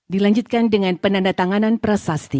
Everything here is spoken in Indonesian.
dilanjutkan dengan penanda tanganan prasasti